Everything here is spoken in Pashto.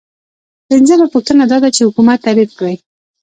پنځمه پوښتنه دا ده چې حکومت تعریف کړئ.